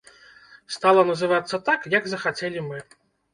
Стала называцца так, як захацелі мы.